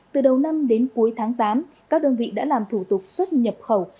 từ đầu năm đến cuối tháng tám các đơn vị đã làm thủ tục xuất nhập khẩu